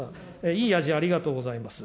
いい野次、ありがとうございます。